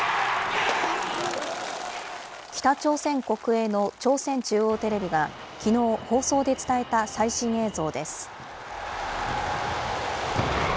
北朝鮮国営の朝鮮中央テレビが、きのう放送で伝えた最新映像です。